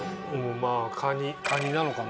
まぁカニなのかな？